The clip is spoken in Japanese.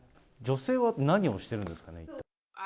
女性は何をしてるんですかね？